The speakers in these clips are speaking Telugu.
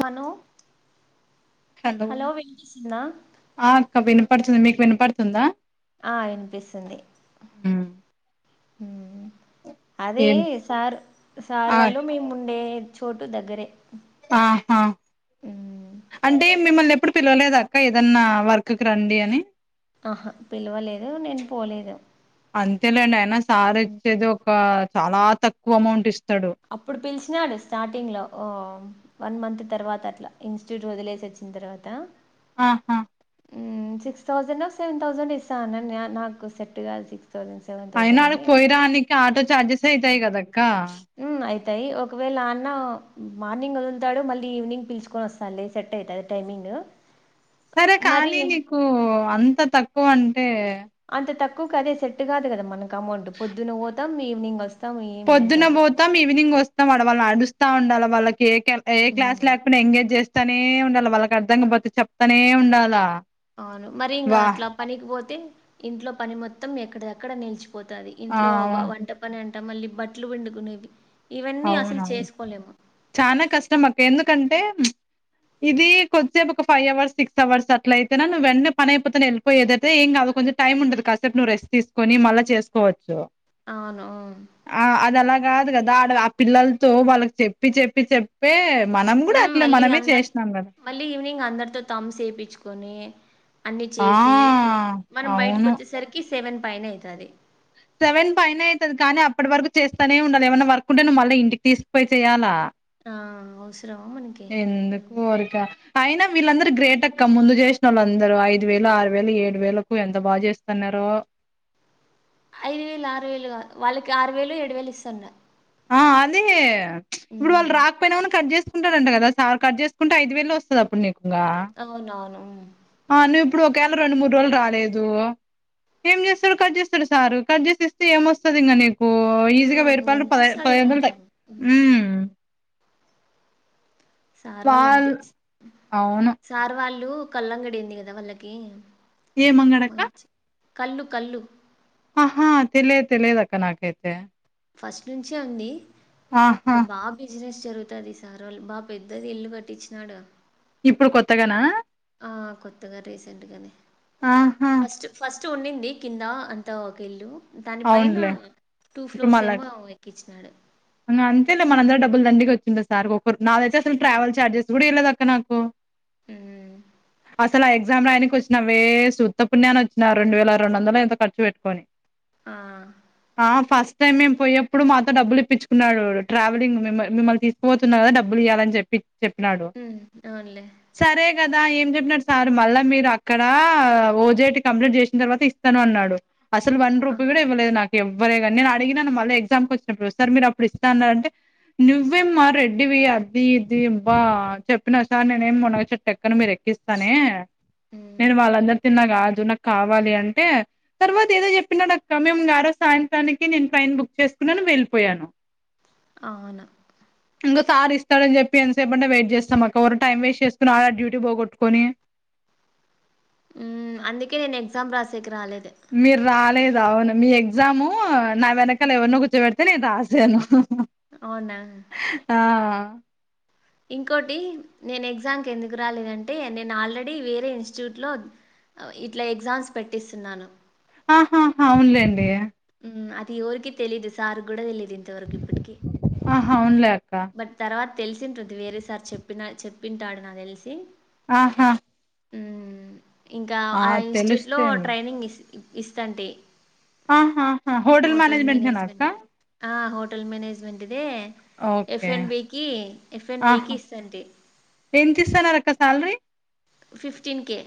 హలో హలో వినిపిస్తుందా ఆ అక్క వినపడ్తుంది మీకు వినపడ్తుందా ఆ ఇన్పిస్తుంది అదీ ఏం సార్ సార్ ఆ వాళ్ళు మేముండే చోటు దగ్గరే ఆహా ఉ అంటే మిమ్మల్నెప్పుడు పిల్వలేదక్క ఏదన్నా వర్క్ కు రండి అని ఆహా పిలవలేదు నేను పోలేదు అంతేలేండి అయినా సార్ ఇచ్చేది ఒ అబ్బా చాలా తక్కువ అమౌంట్ ఇస్తాడు అప్పుడు పిల్చినాడు స్టార్టింగ్ లో ఓ వన్ మంత్ తర్వాత అట్లా ఇన్స్టిట్యూట్ వదిలేసొచ్చిన్ తర్వాత ఆహా ఉ సిక్స్ థౌసంనో సెవెన్ థౌసండ్ నో ఇస్తా అన్నడు నే నాకు సెట్ కాదు థౌసంన్ సెవన్ థౌసంన్ అని ఇగ ఆటో చార్జెసె అయితై కదక్క మ్ ఐతయి ఒకవేళ అన్న మార్నింగ్ వదుల్తాడు మళ్ళీ ఈవినింగ్ పిల్చుకొని ఒస్ బలే సెటైతది టైమింగు సరే కానీ నీకు అంత తక్కువంటే అంత తక్కువ్కదే సెట్ కాదు కదా మనకి అమౌంట్ పొద్దున్న పోతాం ఈవినింగ్ ఒస్ పొద్దున్న పోతాం ఈవినింగ్ వస్తం ఆడ వాళ్ళనీ అడుస్తా ఉండాల వాళ్ళకే కెం ఏ క్లాస్ లేకపోయినా ఎంగేజ్ చేస్తానే ఉండాలి వాళ్ళకి అర్ధంగాపోతె చెప్తానే ఉండాలా ఔను మరి ఇంగా వా అట్లా పనికిపోతే ఇంట్లో పని మొత్తం ఎక్కడిది అక్కడ నిల్చిపోతాది ఆ ఇంట్లో వంట పని అంటా మళ్ళీ బట్లు పిండుకునేవి ఇవన్నీ అసలు అవునవును చేస్కోలేము చానా కష్టం అక్క ఎందుకంటే ఇది కొద్సేపు ఒక ఫైవ్ అవర్స్ సిక్స్ అవర్స్ అట్లైతేనా నువ్వు వెంట్నే పని అయిపోతానే వెళ్ళి పోయేదైతే ఏం కాదు కొంచెం టైం ఉంటది కాసేపు నువ్వు రెస్ట్ తీస్కోని మళ్ళ చేస్కోవొచ్చు ఔనూ ఆ అదలా కాదు కదా ఆడ ఆ పిల్లల్తో వాళ్ళకి చెప్పి చెప్పి చెప్పి ప్పే మనం కూడా ఉమ్, అట్లే మళ్ళీ మనమే అందరు చేష్నాం కదా మళ్ళీ ఈవినింగ్ అందరితో తంబ్స్ ఏపిచ్కొని అన్ని ఆ చేసి మనం అవును బైటకొచ్చేసరికి సెవెన్ పైనే ఐతాది సెవెన్ పైన ఐతది కానీ అప్పటి వరకు చేస్తానే ఉండాలి ఎవైనా వర్కుంటే నువ్వు మళ్ళ ఇంటికి తీస్కపోయి చేయాలా ఆ అవసరమా మనకి ఎందుకు ఉమ్. ఊరికే అయినా వీళ్ళందరూ గ్రేట్ అక్క ముందు చేష్నోళ్ళందరూ ఐదు వేలు ఆరు వేలు ఏడు వేలకు ఎంత బా చేస్తాన్నారో ఐదు వేలు ఆరు వేలు గా వాళ్ళకి ఆరు వేలు ఏడు వేలు ఇస్తుండే ఆ అదే ఇప్పుడు వాళ్ళు హ్మ్ రా పోయిన కట్ చేస్కుంటారంట కద సార్ కట్ చేస్కుంటే ఐదు వేలు ఒస్తదప్పుడు నీకు ఇంగ అవునవును ఆ నువ్విప్పుడు ఒకవేళ రెండు మూడు రోజులు రాలేదు ఏం చేస్తాడు కట్ చేస్తాడు సారు కట్ చేసిస్తే ఏమొస్తదింగ నీకు కూ ఈజీగా హ్మ్ హ్మ్. వెయ్యిరూపైలు పదె ఎంతొస్తది పదయిదు వందలు దాంట్లో హ్మ్ ఉమ్ సార్ వాళ్ళు అంతే అవును సార్ వాళ్ళు కల్లంగిడి ఉంది కదా వాళ్ళకి ఎం అంగడి అక్క కల్లు కల్లు ఆహా తెలియదు తెలియదు అక్క నాకైతే ఫస్ట్ నుంచే ఉంది ఆహా ఇంకా బా బిజినెస్ జరుగుతది సార్ వాళ్ళు బా పెద్దది ఇల్లు కట్టించినాడు ఇప్పుడు కొత్తగానా ఆ కొత్తగా రీసెంట్గానే ఆహా ఫస్ట్ ఫస్ట్ ఉండింది కింద అంత ఒక ఇల్లు దానిపైన అవునులే టూ ఇప్పుడు ఫ్లోర్స్ మళ్ళ ఏమో వే పిచ్చినాడు అంతేలే మనందరి డబ్బులు దండిగా వచ్చందా సార్ ఒకరు నాదైతే అసలు ట్రావెల్ చార్జెస్ కూడా ఇయ్యాలేదక్క హ్మ్ అసలు ఆ ఎగ్జామ్ రాయనికి వచ్చ వచ్చిన వేస్ట్ ఉత్తవుణ్యన్న వచ్చిన రెండు వేల రెండు వందలు ఎంతో ఖర్చు పెట్టుకొని ఆ ఆ ఫస్ట్ టైమ్ మేము పోయప్పుడు మాతో డబ్బులు ఇప్పించుకో కున్నాడు ట్రావెలింగ్ మిమల్ మిమల్ తీసుకపోతున్నా కదా డబ్బులు ఇవాలని చెప్పి చెప్పినాడు హ్మ్. అవునులే. సరే కదా ఏం చెప్పినడు సార్ మళ్ళా మీరు అక్కడ ఓజేటి కంప్లీంట్ చేసిన తర్వాత ఇస్తా ను అన్నాడు అసలు వన్ ఆ! రూపీ కూడా ఇవ్వలేదు నాకు ఎవర్రే కాని నేను అడిగినను మళ్ళీ ఎగ్జామ్కి వచ్చినపుడు సార్ ఇస్తా అన్నారు అంటే నువ్వేం మా రెడ్డివి అది ఇది అబ్బా చెప్పినా సార్ నేనేమి మునగ చెటు ఎక్కను మీరు ఎక్కిస్త తానే హ్మ్. నేను వాళ్ళందరు తిన్నా కాదు నాకు కావాలి అంటే తర్వాత ఏదో చెప్పినాడక్క మేము గార సాయంత్రానికి నేను ట్రైన్ బుక్ చేసుకున్నాని వెళ్ళిపోయాను అవును ఇంకా సార్ ఇస్తాడని చెప్పి ఎంతసేపంటే వెయిట్ చేస్తాం అ ఒకవరు టైం వేస్ట్ చేసుకుని ఆడ డ్యూటీ పోగొటుకొని ఉ అందుకే నేను ఎగ్జామ్ రాసేకు రాలేదు మీరు రాలేదు అవును మీ ఎగ్జాము నా వెనకాల హ్మ్. ఎవరినో కూర్చో బెడితే నేను రాసాను అవునా ఆ ఇంకోటి నేను ఎక్సమ్ కి ఎందుకు రాలేదంటే నేను ఆల్రెడీ వేరే ఇన్స్టిట్యూట్లో ఇట్లా ఎగ్జామ్స్ పెట్టిస్తున్నాను ఆహాహా అవును లేండి అది ఎవరికి తెలీయదు సార్ కూడా తెలిదు ఇంతవరకు ఇప్పటికి ఆహా అవునులే అక్క బట్ తర్వాత తెలిసింటుంది వేరే సార్ చెప్పిన చెప్పింటాడు నా తెలిసి ఆహా ఇంకా ఆ ఇన్స్టిట్యూట్ తెలుస్తే లో ఏంలే ట్రైనింగ్ ఇస్తంటి ఆహా హ హోటల్ మానేజ్మెంట్ నా అక్క మేనేజ్మెంట్ ఇది ఆ హోటల్ మేనేజ్మెంట్ దే ఎఫ్ ఓకే అండ్ బికి ఎఫ్ఎండ్ బికి ఆహా ఇస్తది ఎంత ఇస్తన్నారు అక్క శాలరీ ఫిఫ్టీన్ కే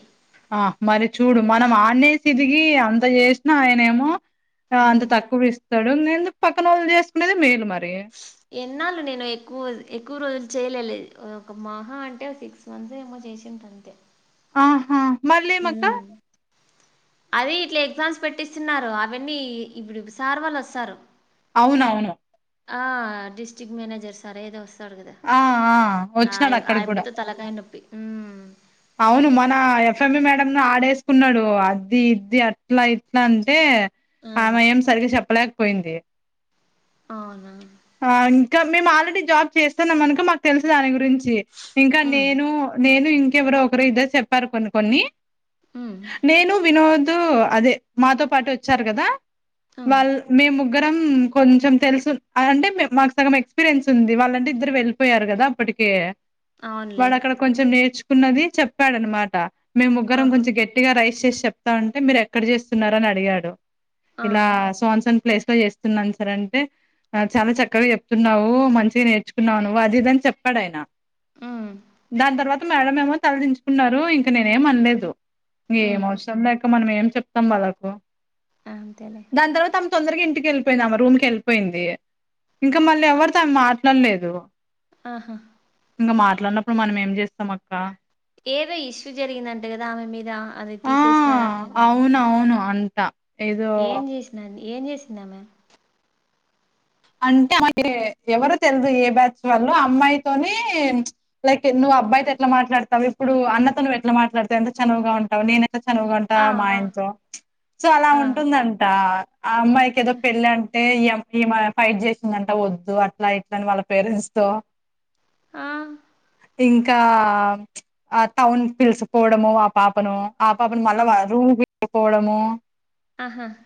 ఆ మరి చూడు మనం ఆనేతీరిగి అంత చేసినా ఆయన ఏమో అంత తక్కువ ఇస్తాడు నేను పక్కన వళ్లు చేసుకునేది మేలు మరి ఎన్నాళ్లు నేను ఎక్కువ ఎక్కువ రోజులు చేయలేదు ఒక మహా అంటే అందె ఏమో చేసి ఉంటాను అంతే ఆహా మళ్ళీ మాకు ఆ అదే ఇట్లా ఎగ్జామ్స్ పెట్టిస్తున్నారు అవన్నీ ఇప్పుడు సార్ వాళ్ళు వస్తారు అవును అవును ఆ డిస్ట్రిక్ట్ మేనేజర్ సార్ ఏదో వస్తాడు కదా ఆ ఆ వచ్చినాడు అక్కడికి కూడా అయినా తలకాయ నొప్పి ఉ అవును మన ఎఫ్ఎం ది మేడంను ఆడేసుకున్నాడు అద్ది ఇద్ది అట్లా ఇట్లా అంటే ఆ ఆమె యేం సరిగ్గా చెప్పలేకపోయింది అవునా ఆ ఇంకా మేము ఆల్రెడీ జాబ్ చేస్తున్నాం అనుక మాకు తెలుసు దాని గురించి ఇంకా నేను నేను ఇంకెవరో ఒకరు ఇద్దరు చెప్పారు కొన్ని కొన్ని ఉ నేను వినోద్ అదే మాతో పాటు వొచ్చారు కదా వాల్ల్ మేము ముగ్గరం కొంచెం తెలుసు అంటే మె మాకు సగం ఎక్స్పీరియన్స్ ఉంది వాళ్ళంటే ఇద్దరు వెళ్లిపోయారు కదా అప్పటికి అవునులే వాడు అక్కడ కొంచెం నేర్చుకున్నది చెప్పాడన్న మాట మేము ముగ్గరం కొంచెం గట్ గట్టిగా రైస్ చేసి చెప్తా ఉంటే మీరెక్కడ చేస్తున్నారని అడిగాడు ఇలా ఆహా సో ఆన్ సోన్ ప్లేస్ లో చేస్తున్నాను సార్ అంటే ఆ చాలా చక్కగా చెప్తున్నవు మంచిగా నేర్చుకున్నావు నువ్వు అది ఇదని చెప్పాడు ఆయన హ్మ్ దాని తర్వాత మేడం ఏమో తలదించుకున్నారు ఇంక నీనేమ్ అన్లేదు ఏం హ్మ్ అవసరం లే అక్క మనం ఏం చెప్తాం వాళ్ళకు అంతే లే దాని తర్వాత ఆమె తొందరగా ఇంటికెళ్ళిపోయింది ఆమ రూమ్ కెళ్ళిపోయింది ఇంకా మళ్ళీ ఎవ్వరి తో మా డలేదు ఆహా ఇంగ మాట్లాడనప్పుడు మనం ఏం చేస్తాం అక్కా ఏదో ఇష్యూ జరిగిందంట కదా ఆమె మీద అది తీసేసినార అని ఇన్నారక్కడ అవును అంటా ఏం చేసినని ఏం చేసింది ఆమె అంటే ఆమకి ఎవరో తేల్దు ఏ బ్యాచ్ వాళ్ళో అమ్మాయితోని లైక్ నువ్వు అబ్బాయితో ఎట్లా మాట్లాడుతావో ఇప్పుడు అన్నతో నువ్వు ఎట్లా మాట్లాడుతవు ఎంత చనువుగా ఉంటావు నేను చనువుగుంటా ఆ ఆ మాఆయన తో సో అలా ఆ ఉంటుందంటా ఆ అమ్మాయికి ఏదో పెళ్ళంటే ఈ అమ్ ఈమె ఫైట్ చేసిందంట వద్దు అట్లా ఇట్లా అని వాళ్ళ పేరెంట్స్ తో హా ఇంకా ఆ టౌన్ పిల్సకపోవడము ఆ పాపను ఆపాపను మళ్ళ ఆ వాళ్ళ రూమ్ కి తీసుకపోవడము ఆహా హ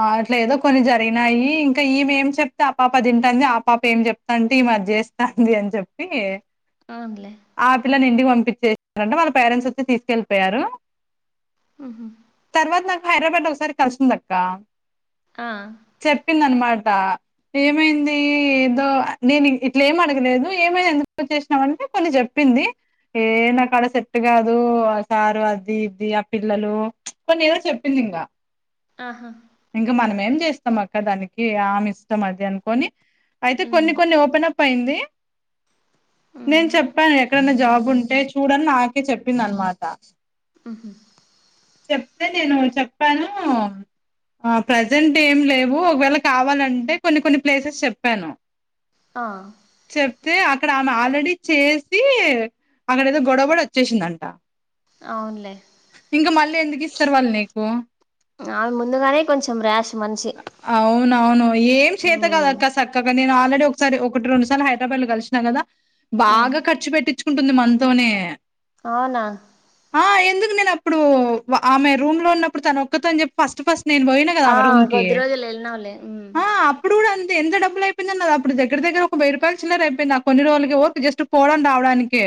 ఆ అట్లేదో కొన్ని జరిగినాయి ఇంకా ఈమె ఏమి చే చెప్తే ఆ పాప తింటంది ఆ పాప ఏం చెప్తాంటే ఈమె అది చేస్తంది అని చెప్పి అవును లే ఆ పిల్లని ఇంటికి పంపించేరంట వాళ్ళ పేరెంట్స్ వచ్చి తీసుకెళ్ళిపోయారు ఉహు హు తర్వాత నాకు హైడ్రాబాద్ లో ఒకసారి కలిసింది అక్క ఆ చెప్పిందన్నమాట ఏమైంది ఏదో నేను ఇట్లా ఏం అడగలేదు ఏమై ఎందుకు వచ్చేసినవు అంటే కొన్ని చెప్ ప్పింది ఏ నా కాడ సెట్టు కాదు ఆ సారు అది ఇది ఆ పిల్లలు కొన్ని ఏదో చెప్పింది ఇంగ ఆహ ఇంకా మనం ఏంచేస్తాం అక్క దానికి ఆమె ఇష్టం అది అనుకొని అయితే కొన్ని హ్మ్ కొన్ని ఓపెన్ అప్ అయింది నేను హ్మ్ చెప్పా ఎక్కడైనా జాబ్ ఉంటే చూడని నాకే చెప్పింది అన్నమాట ఆహా హ చెప్తే నేను చెప్పాను ఆ ప్రజెంట్ ఏం లేవు ఒకవేళ కావాలంటే కొన్ని కొన్ని ప్లేసెస్ చెప్పాను ఆ చెప్తే అక్కడ ఆమె ఆల్రెడీ చేసి అక్కడ ఏదో గొడవబడి వచ్చేసిందంట అవునులే ఇంకా మళ్ళీ ఎందుకు ఇస్తరు వాళ్ళు నీకు ఆమె ముందుగానే కొంచం రాష్ [unintelligible] అవును అవును ఏం చేత కాదు హ్మ్ అక్క సక్కగా నేను ఆల్రెడీ ఒకసారి ఒకటి రెండుసార్లు హైదరాబాద్ లో కలిసిన కదా హ్మ్ బాగా ఖర్చు పెట్టించుకుంటుంది మనతోనే అవునా ఆ ఎందుకు నేను అప్పుడు ఆమె రూమ్ లో ఉన్నప్పుడు తన ఒక్కతి అని చెప్పి ఫస్ట్ ఫస్ట్ నేను పోయిన ఆ కొద్దిరోజులు ఎల్లినవులే ఉ ఆ అప్పుడు కూడా అంతే ఎంత డబ్బు అయిపోయిదన్నది దగ్గదగ్గర ఒక వెయ్యి రపాయలు చిల్లర అయింది ఆ కొన్ని రోజులకే జస్ట్ పోవడం రావడానికే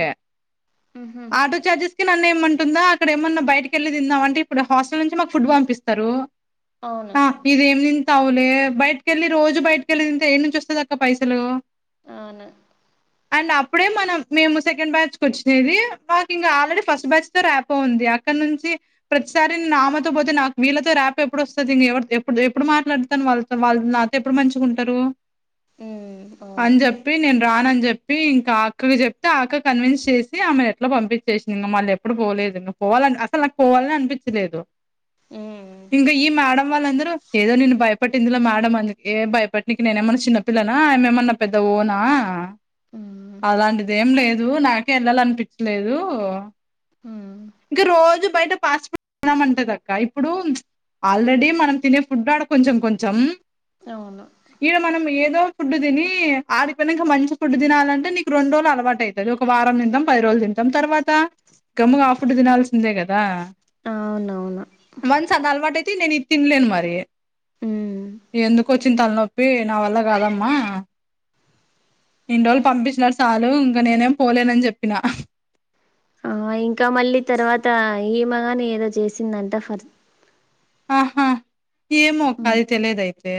ఉహు ఆటో చార్జెస్ ఇక నన్నే ఇవ్వమంటుందా అక్కడ ఏమన్నా బయటికి వేళ్ళి తిందామంటే ఇప్పుడు హాస్టల్ నుంచి మాకు ఫుడ్ పంపిస్తారు అవును ఇది ఏమి తింటావులే బయటకెళ్ళి రోజు బయటకెళ్ళి తింతే ఏడ్నుంచి వస్తాయి అక్క పైసలు అవును అండ్ అప్పుడే మనం మేము సెకండ్ బ్యాచ్కు వచ్చినది మాకు ఇంకా ఆల్రెడీ ఫస్ట్ బ్యాచ్ రాపో ఉంది అక్కడ నుంచి ప్రతిసారి నేను ఆమెతో పోతే నాకు వీళ్ళతో రాపో ఎప్పుడు వస్తుంది నేను ఎవరి ఎప్పుడు మాట్లాడుతాను వాళ్ళతో వాళ్ళ నాతో ఎప్పుడు మంచిగా ఉంటారు హ్మ్ అవును అని చెప్ చెప్పి నేను రానని చెప్పి ఇంకా అక్కకి చెప్తే అక్క కన్విన్స్ చేసి ఆమెను ఎట్లా పంపించేసింది మళ్ళీ ఎప్పుడు పోలేదు ఇంగ పోవాలని అసలు నాకు పోవాలని అనిపించలేదు ఉమ్ ఇంకా ఈ మేడం వాళ్ళందరూ ఏదో నేను భయపట్టిందిలో మేడం అందుకే ఏ భయపట్టిననికి నేనే ఏమన్నా చిన్నపిల్లనా ఆమేమన్నా నా పెద్ద ఓనా అలాంటిది ఏం లేదు నాకే వెళ్లాలనిపించలేదు ఉమ్ ఇంగ రోజు బయట పాచి పన్ తిన్నామంటదక్క ఇప్పుడు ఆల్రెడీ మనం తినే ఫుడ్ ఆడ కొంచెం కొంచెం అవును ఇడా మనం ఏదో ఫుడ్డు తిని ఆడిపోయినంక మంచి ఫుడ్ తినాలంటే నీకు రెండు రోజులు అలవాటు అవుంది ఒక వారం తింటాం పది రోజులు తింటాం తర్వాత గమ్ముగా ఆ ఫుడ్ తినాల్సిందే కదా అవునవును వన్స్ అది అలవాటు అయితే నేను ఇది తినలేను మరి ఉ ఎందుకు వచ్చింది తలనొప్పి నా వల్ల కాదమ్మా ఇన్ని రోజులు పంపించినారు చాలు ఇంక నేనేం పోలేనని చెప్పినా ఆ ఇంకా మళ్ళీ తర్వాత ఇమేగాని ఏదో చేసిందంట ఫర్ ఆహా ఏమో అక్క ఉమ్. అది తెలియదయితే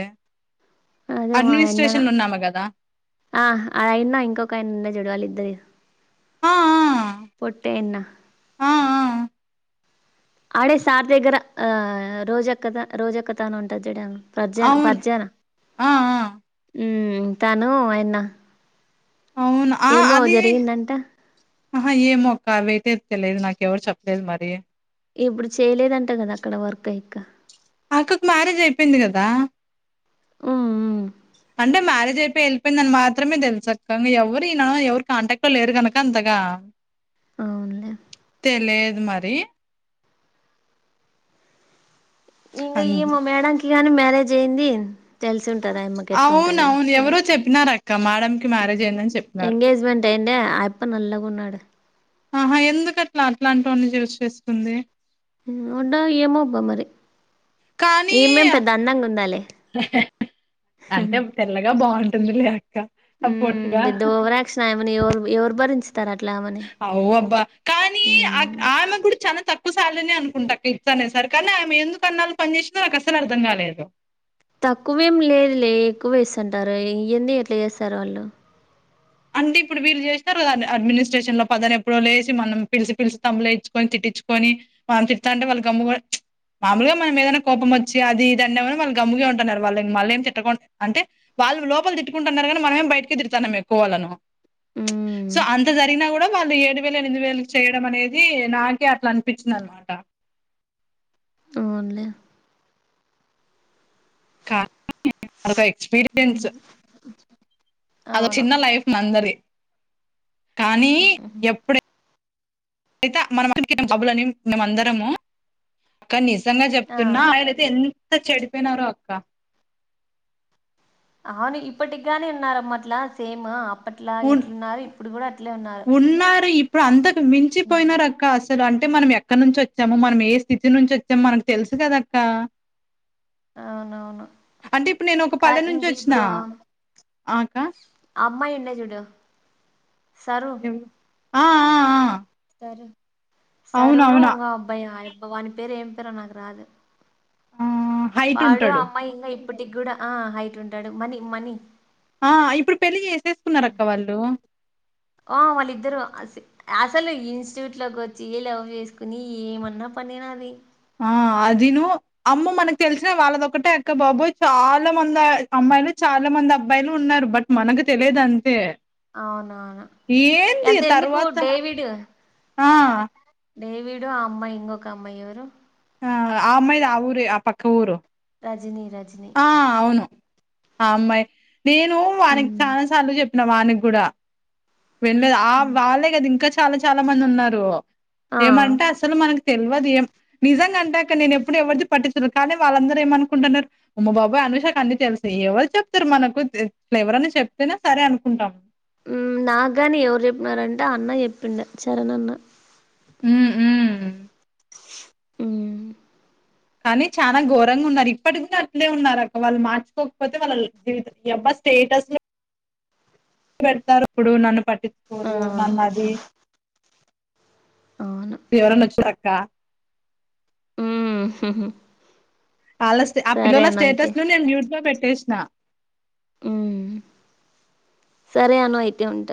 అదే ఆయన్న అడ్మినిస్ట్రేషనల్ లో ఉన్నామే కదా ఆ అ అయినా ఇంకొక ఆయనా ఉన్నచూడు వాళ్ళు ఇద్దరు ఆ పొట్టాయన్న ఆ ఆ ఆడే సార్ దగ్గర ఆ రోజొక్క రోజొక్క తాన ఉంటుంది చూడు ఆమె పర్జన అవును పర్జజన ఆ ఆ ఉమ్ తను అయన్న అవునా ఆ అది జరిగిందంట ఆహా ఏమో అక్క అవయితే తెలియదు నాకు ఎవరు చెప్పలేదు మరి ఇప్పుడు చేయలేదంట కదా అక్కడ వర్క్ ఆ అక్క అక్కకి మ్యారేజ్ అయిపోయింది కదా ఉ ఉ అంటె మ్యారేజ్ అయి వెళ్లిపోయిందని అని మాత్రమే తెలుసక్క ఇంగ ఎవరీన ఎవరు కాంటాక్ట్ లో లేరు గనుక అంతగా అవునులే తెలీయదు మరి ఇంగ ఈ అవును మా మేడంకి గాని మ్యారేజ్ అయ్యింది తెలిసుంటది ఆయమ్మకి ఎట్లుందని అవును ఎవరో లైఫ్ చెప్పినారు అక్క మేడం కి మ్యారేజ్ మ్ అయిందని చెప్పినారు ఎంగేజ్మెంట్ టేండే అయప్ప నల్లగున్నాడు ఆహ ఎందుకు అట్లా అట్లాంటోన్ని చూస్ చేసుకుంది ఉండో ఏమో అబ్బ మరి కానీ ఈమేం పెద్ద అందంగా ఉందాలే అంటే తెల్లగా బావుంటుంది లే మ్ పెద్ద ఓవరాక్షన్ ఆమెని ఎవరు ఎవరు భరించుతారు అట్లా ఆమె ఆవ్ అబ్బా కానీ అక్ ఆమెకి కూడ చానా తక్కువ సాలరీనే అనుకుంటా అక్క ఇట్లనే సర్కార్లనే ఆమె ఎందుకు అన్నాలు పనిచేసిందో నాకు అస్సలు అర్థం గాలేదు తక్కువేం లేదు లే ఎక్కువేసుంటారు ఇయ్యంది ఎట్ల చేసారు వాళ్ళు అంటె ఇప్పుడు వీళ్ళు చేశ్నారు గదా అన్ అడ్మినిస్ట్రేషన్ లో పదనెప్పుడో లేసి మనం పిలిషి పిలిషి తంబులేయిచుకొని తట్టించుకొని [unintelligible] వాళ్ళు [unintelligible] మామూలుగా మనం ఏదైన కోపం వచ్చి అది ఇది అన్నాగని వాళ్ళు గమ్ముగే ఉంటున్నారు వాళ్ళని మళ్ళేం తిట్టకొనద్దు అంటే వాళ్ళు లోపల తిట్టుకుంటున్నారు గని మనమేం బయటకే తిడుతానం ఎక్కువ వాళ్ళను సో మ్ అన్ త జరిగినా గూడ వాళ్ళు ఏడు వేలు ఎనిమిది వేలు చేయడం అనేది నాకే అట్ల అనిపించింది అనమాట అవున్లే కానీ అదొక ఎక్స్పీరియన్స్ అదొ అవును చిన్న లైఫ్ అందరియి కానీ ఎప్పుడై అయితె మన [inaudible] జాబులని మేము అందరము అక్క నిజంగ ఆ చెప్తున్నా యిలైతే ఎంత చెడిపోయినారో అక్క అవును ఇప్పటి గానీ ఉన్నారు అమ్మ అట్లా సేమ్ అప్పట్లా ఉ ఎట్లున్నారు ఇప్పుడు గూడ అట్లే ఉన్నారు ఉన్నారు ఇప్పుడు అంతకు మ్ మించిపోయినారు అక్క అస్ సలు అంటే మనం ఎక్కడ నుంచి వచ్చాము మనం ఏ స్థితి నుంచి వచ్చామొ మనకు తెలుసు కదక్కా అవునవును అంటె ఇప్పుడు నేను ఒక కా పల్లె నుంచి ఇంక వచ్చినా ఇప్పుడు ఆ అక్కా ఆ అమ్మాయి ఉండే జూడు సర్వ్ ఆ ఆ ఆ తరు సరును ఉంగో అబ్బాయి ఆ యబ్బ వాని పేరు ఏం పేరొ నాకు రాదు ఆ హైట్ వాడు ఆ ఉంటాడు అమ్మాయి ఇంగ ఇప్పటికి గూడ ఆ హైట్ ఉంటడు మని మని ఆ ఇప్పుడు పెళ్ళి చేసేసుకున్నరక్క వాళ్ళు ఆ వాళ్ళిద్దరు అ సి ఆసలు ఇన్స్టిట్యూట్ లోకి వచ్చి లవ్ చేసుకుని ఏమన్నా పనినా అది ఆ అదిను అమ్మో మనకు తెలిసిన వాళ్ళదొకటే అక్క బాబోయ్ చాలా మంది అ అమ్మాయిలు చాలా మంది అబ్బాయిలు ఉన్నారు బట్ మనకు తెలియదంతే అవునవును అంత ఎందుకు తర్వాత డేవిడ్ ఆ డేవిడు ఆ అమ్మాయి ఇంగొక అమ్మాయి ఎవరు ఆ ఆ అమ్మాయిది ఆ ఊరే ఆ పక్క ఊరు రజిని రజిని ఆ అవును అ అమ్మాయి నేను వానికి ఉమ్ చానా స్ సార్లు చెప్పిన వానికి గూడా విన్లేదు ఆ వాళ్ళే గాదు ఇంక చా చాలా చాలా మంది ఉన్నారు ఆ ఆ ఏమంటే అసలు మనకు తెల్వదు ఏం నిజంగా అంటె అక్క నేను ఎప్పుడు ఎవరిది పట్టిచుకొను కానీ వాళ్ళందరు ఏమనుకుంటున్నరు అమ్మ బాబొయ్ అనుషాకు అన్ని తెలుసు ఎవరు చెప్తారు మనకు తె ట్లేవరన్న చెప్తేనే సరే అనుకుంటాం మ్ నాగాని ఎవరు చెప్పినారంటే అన్న చెప్పిండే చరణ్ అన్న ఉమ్ ఉమ్ మ్మ్ కనీ చానా ఘోరంగా ఉన్నారు ఇప్పటి గూడ అట్లే ఉన్నారు అక్క వాళ్ళు మార్చుకోకపోతే వాళ్ళ లై [unintelligible] స్టేటస్ లు పెడతారు ఇప్పుడు నన్ను పట్టి ఆ కోరు నన్ను అది అవును ఎవరన్నోచ్చిరక్కా మ్ హు హు వాళ్ళ స్టే ఆ పిల్లల అయితే స్టేటస్ ను నేను మ్యూట్ లో పెట్టేసిన మ్మ్ సరే అను అయితే ఉంట